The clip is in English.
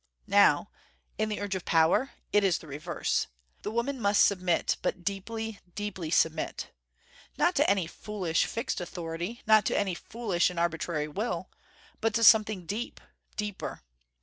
Now, in the urge of power, it is the reverse. The woman must submit, but deeply, deeply submit. Not to any foolish fixed authority, not to any foolish and arbitrary will. But to something deep, deeper.